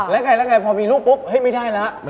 แล้วไงพอมีลูกปุ๊บให้ไม่ได้แล้ว